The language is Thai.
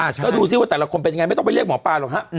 แล้วดูสิว่าแต่ละคนเป็นยังไงไม่ต้องไปเรียกหมอปลาหรอกฮะ